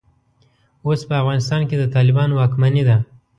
اوس په افغانستان کې د طالبانو واکمني ده.